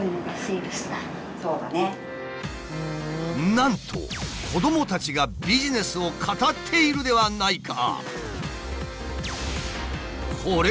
なんと子どもたちがビジネスを語っているではないか！